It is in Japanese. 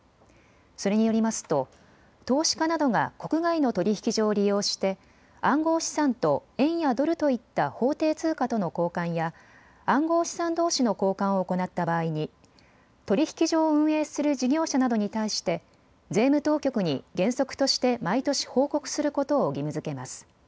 それによりますと投資家などが国外の取引所を利用して暗号資産と円やドルといった法定通貨との交換や暗号資産どうしの交換を行った場合に取引所を運営する事業者などに対して税務当局に原則として毎年報告することを義務づけます。